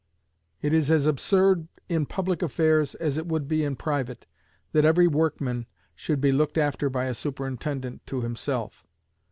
It is as absurd in public affairs as it would be in private, that every workman should be looked after by a superintendent to himself.